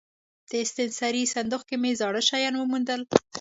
د ستنسرۍ صندوق کې مې زاړه شیان وموندل.